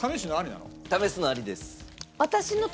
試すのありなの？